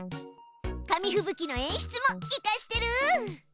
紙ふぶきの演出もイカしてる。